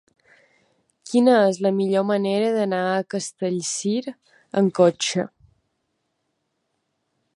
Quina és la millor manera d'anar a Castellcir amb cotxe?